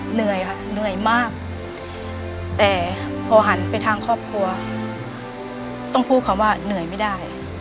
เหนื่อยค่ะเหนื่อยมากแต่พอหันไปทางครอบครัวต้องพูดคำว่าเหนื่อยไม่ได้